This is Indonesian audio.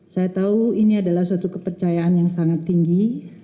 saya tahu ini adalah suatu kepercayaan yang sangat tinggi